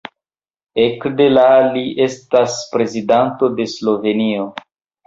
Ekde la li estas Prezidento de Slovenio.